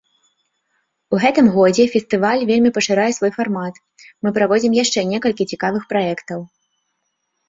У гэтым годзе фестываль вельмі пашырае свой фармат, мы праводзім яшчэ некалькі цікавых праектаў.